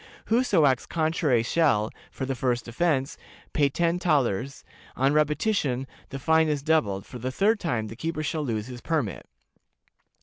Whoso acts contrary shall, for the first offense, pay ten thalers; on repetition, the fine is doubled; for the third time, the keeper shall lose his permit.